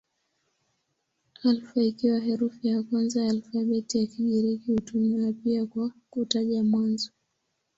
Alfa ikiwa herufi ya kwanza ya alfabeti ya Kigiriki hutumiwa pia kwa kutaja mwanzo.